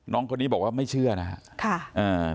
น้องคนนี้บอกว่าไม่เชื่อย่างนั้น